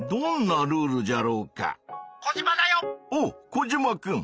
コジマくん。